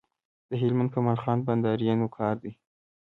د هلمند کمال خان بند د آرینو کار دی